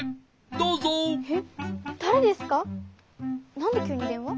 なんできゅうにでんわ？